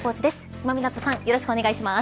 今湊さんよろしくお願いします。